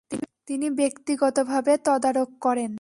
তিনি ব্যক্তিগতভাবে তদারক করেন।